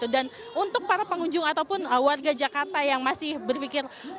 dan untuk para pengunjung ataupun warga jakarta yang masih berpikir